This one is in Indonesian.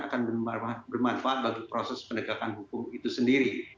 akan bermanfaat bagi proses penegakan hukum itu sendiri